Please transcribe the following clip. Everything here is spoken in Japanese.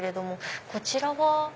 こちらは？